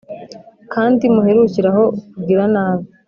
kandi muherukire aho kugira nabi!